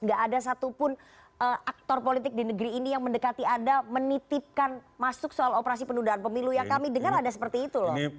gak ada satupun aktor politik di negeri ini yang mendekati anda menitipkan masuk soal operasi penundaan pemilu yang kami dengar ada seperti itu loh